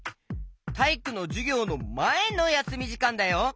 たいいくのじゅぎょうのまえのやすみじかんだよ！